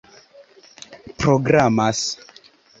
programas